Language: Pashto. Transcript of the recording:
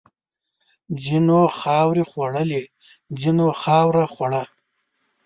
ځینو خاورې وخوړلې، ځینو خاوره وخوړه.